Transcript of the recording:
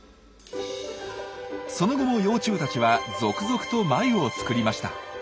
その後も幼虫たちは続々と繭を作りました。